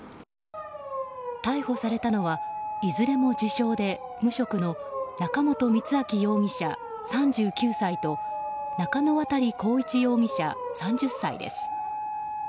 逮捕されたのはいずれも自称で無職の中本光昭容疑者、３９歳と中野渡晃一容疑者、３０歳です。